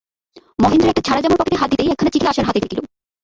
মহেন্দ্রের একটা ছাড়া-জামার পকেটে হাত দিতেই একখানা চিঠি আশার হাতে ঠেকিল।